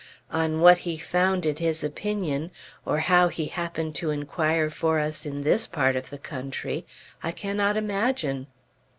On what he founded his opinion, or how he happened to inquire for us in this part of the country, I cannot imagine.